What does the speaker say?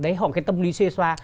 đấy họ cái tâm lý xê xoa